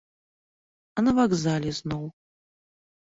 А на вакзале зноў!